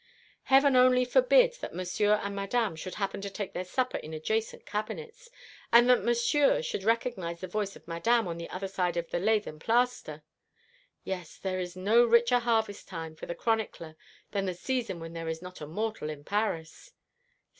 Heaven only forbid that Monsieur and Madame should happen to take their supper in adjacent cabinets, and that Monsieur should recognise the voice of Madame on the other side of the lath and plaster! Yes, there is no richer harvest time for the chronicler than the season when there is not a mortal in Paris."